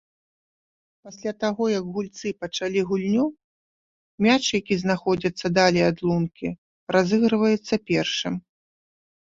Пасля таго, як гульцы пачалі гульню, мяч, які знаходзіцца далей ад лункі разыгрываецца першым.